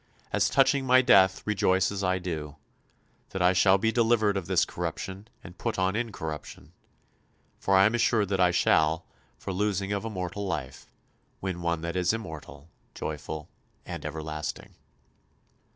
As touching my death, rejoice as I do ... that I shall be delivered of this corruption and put on incorruption; for I am assured that I shall, for losing of a mortal life, win one that is immortal, joyful, and everlasting."